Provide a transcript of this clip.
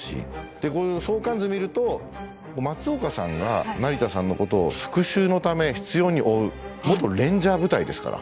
で相関図見ると松岡さんが成田さんのことを復讐のため執拗に追う元レンジャー部隊ですから。